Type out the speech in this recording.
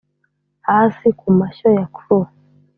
hasi kumashyo ya curlew